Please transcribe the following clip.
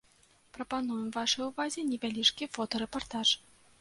Прапануем вашай увазе невялічкі фотарэпартаж.